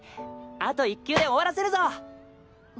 あと一球で終わらせるぞ！